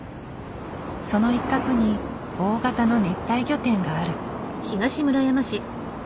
その一角に大型の熱帯魚店がある。